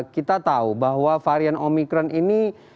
kita tahu bahwa varian omikron ini